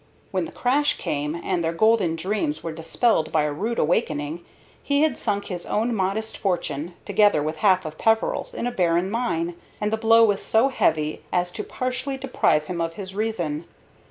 When the crash came, and their golden dreams were dispelled by a rude awakening, he had sunk his own modest fortune, together with half of Peveril's, in a barren mine, and the blow was so heavy as to partially deprive him of his reason.